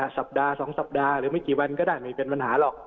สัปดาห์๒สัปดาห์หรือไม่กี่วันก็ได้ไม่เป็นปัญหาหรอก